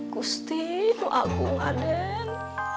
gusti lu agung aden